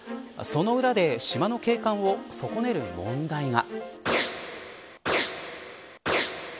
その裏で島の景観を損ねる問題が。